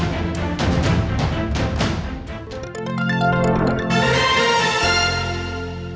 สวัสดีครับ